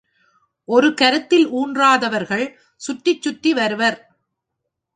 ஒரு கருத்தில் ஊன்றாதவர்கள் சுற்றிச் சுற்றி வருவர்.